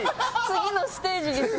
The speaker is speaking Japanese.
次のステージに進める。